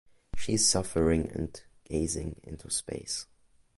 She is suffering and gazing into space.